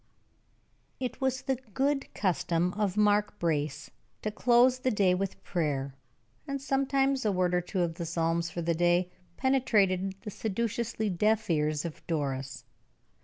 It was the good custom of Mark Brace to close the day with prayer; and sometimes a word or two of the psalms for the day penetrated the sedulously deaf ears of Doris.